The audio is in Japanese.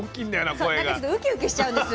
そう何かウキウキしちゃうんです。